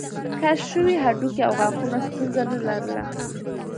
کشف شوي هډوکي او غاښونه ستونزه نه لرله.